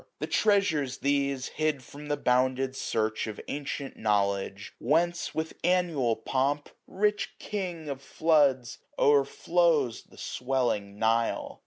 The treasures these, hid from the bounded search Of ancient knowledge ; whence, with annual pomp. So SUMMER* Rich king of floods ! overflows the swelling Nile.